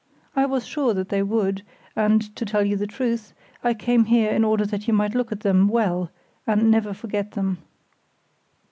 I was sure that they would, and, to tell you the truth, I came here in order that you might look at them well, and never forget them."